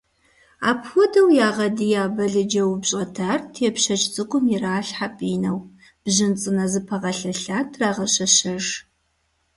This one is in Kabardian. Апхуэдэу ягъэдия балыджэ упщӏэтар тепщэч цӏыкӏум иралъхьэ пӏинэу, бжьын цӏынэ зэпыгъэлъэлъа трагъэщэщэж.